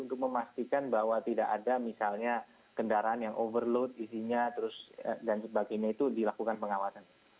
untuk memastikan bahwa tidak ada misalnya kendaraan yang overload isinya terus dan sebagainya itu dilakukan pengawasan